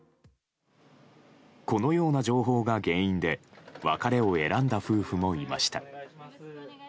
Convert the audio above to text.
このような情報が原因で別れを選んだ夫婦もいました。